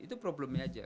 itu problemnya aja